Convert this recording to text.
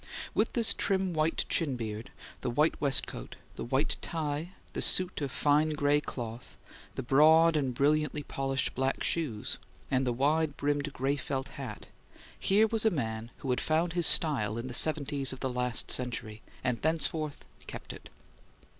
With this trim white chin beard, the white waistcoat, the white tie, the suit of fine gray cloth, the broad and brilliantly polished black shoes, and the wide brimmed gray felt hat, here was a man who had found his style in the seventies of the last century, and thenceforth kept it.